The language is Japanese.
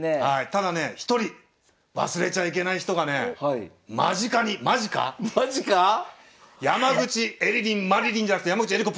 ただねえ一人忘れちゃいけない人がね間近にマジか⁉マジか⁉山口エリリンマリリンじゃなくて山口恵梨子